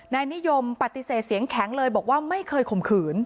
นายนิยมปฏิเสธเสียงแข็งเลยบอกว่าไม่เคยข่มขืน